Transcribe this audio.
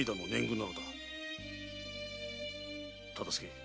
忠相。